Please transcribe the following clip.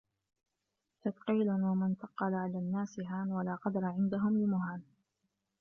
تَثْقِيلٌ وَمَنْ ثَقَّلَ عَلَى النَّاسِ هَانَ ، وَلَا قَدْرَ عِنْدَهُمْ لِمُهَانٍ